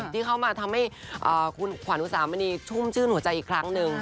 ที่เข้ามาทำให้คุณขวัญอุสามณีชุ่มชื่นหัวใจอีกครั้งหนึ่ง